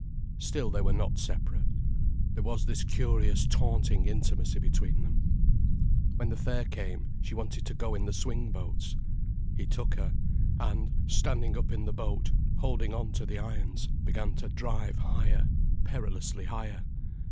Still they were not separate. There was this curious taunting intimacy between them. When the fair came, she wanted to go in the swingboats. He took her, and, standing up in the boat, holding on to the irons, began to drive higher, perilously higher.